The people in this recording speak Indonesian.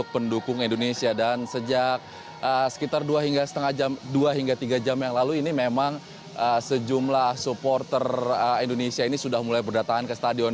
pendukung indonesia dan sejak sekitar dua hingga tiga jam yang lalu ini memang sejumlah supporter indonesia ini sudah mulai berdatangan ke stadion